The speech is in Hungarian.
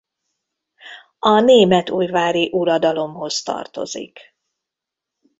A német-ujvári uradalomhoz tartozik.